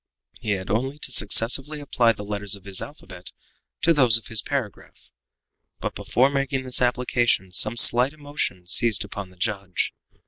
He had only to successively apply the letters of his alphabet to those of his paragraph. But before making this application some slight emotion seized upon the judge.